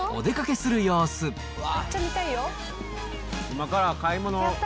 今から買い物。